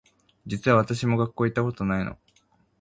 実は私も学校行ったことないの